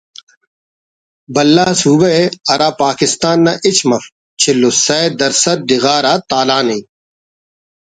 بھلا صوبہ ءِ ہرا پاکستا ن نا ہچ مف چل و سہ درسَد ڈغار آ تالان ءِ